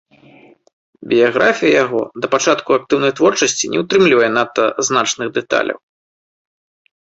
Біяграфія яго да пачатку актыўнай творчасці не ўтрымлівае надта значных дэталяў.